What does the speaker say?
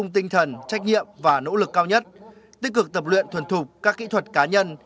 tập luyện thuần thục các kỹ thuật cá nhân